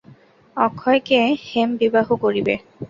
অক্ষয়কে হেম বিবাহ করিবে!